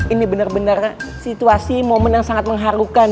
ini bener bener situasi momen yang sangat mengharukan